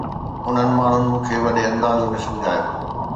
انهن ماڻهن مون کي وڏي انداز ۾ سمجهايو